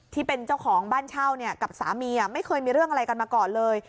ที่เป็นเจ้าของบ้านเช่ากับสามีไม่เคยมีเรื่องอะไรกันมาก่อนเลย